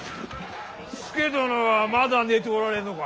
佐殿はまだ寝ておられるのか。